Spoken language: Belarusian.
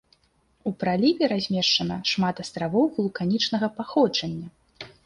У праліве размешчана шмат астравоў вулканічнага паходжання.